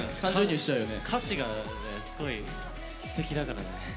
歌詞がすごいすてきだからね。